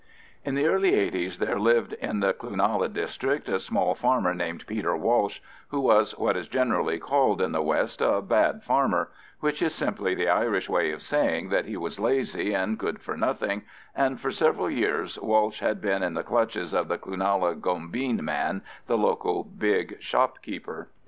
In the early 'eighties there lived in the Cloonalla district a small farmer named Peter Walsh, who was what is generally called in the west a bad farmer, which is simply the Irish way of saying that he was lazy and good for nothing, and for several years Walsh had been in the clutches of the Cloonalla gombeen man, the local big shopkeeper.